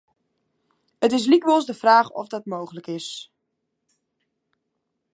It is lykwols de fraach oft dat mooglik is.